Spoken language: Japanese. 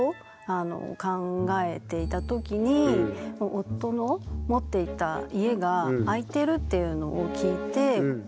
夫の持っていた家が空いてるというのを聞いてきったねえ家で。